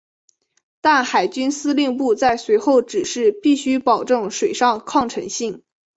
但海军司令部在随后指示必须保证水上抗沉性。